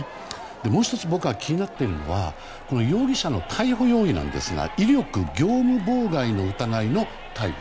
もう１つ僕が気になっているのは容疑者の逮捕容疑なんですが威力業務妨害の疑いの逮捕。